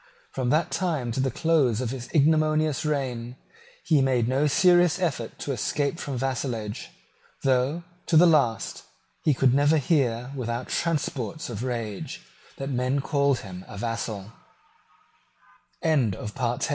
From that time to the close of his ignominious reign, he made no serious effort to escape from vassalage, though, to the last, he could never hear, without transports of rage, that men called him a